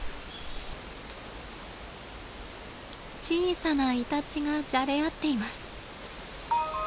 小さなイタチがじゃれ合っています。